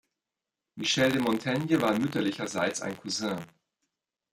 Michel de Montaigne war mütterlicherseits ein Cousin.